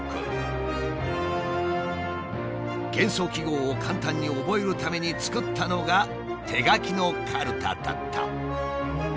元素記号を簡単に覚えるために作ったのが手書きのカルタだった。